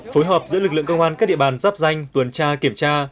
phối hợp giữa lực lượng công an các địa bàn giáp danh tuần tra kiểm tra